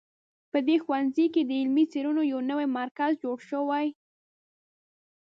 په دې ښوونځي کې د علمي څېړنو یو نوی مرکز جوړ شوی